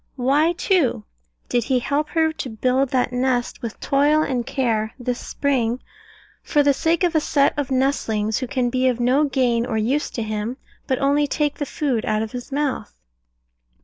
Why, too, did he help her to build that nest with toil and care this spring, for the sake of a set of nestlings who can be of no gain or use to him, but only take the food out of his mouth?